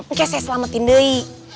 ini kayak saya selamatin deh